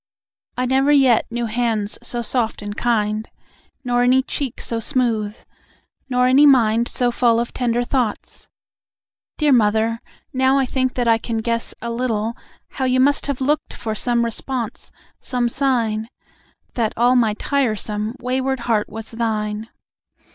I never yet knew hands so soft and kind, Nor any cheek so smooth, nor any mind So full of tender thoughts. ... Dear mother, now I think that I can guess a little how You must have looked for some response, some sign, That all my tiresome wayward heart was thine.